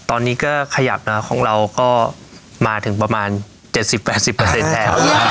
ตอนนี้ก็ขยับนะครับของเราก็มาถึงประมาณ๗๐๘๐แทน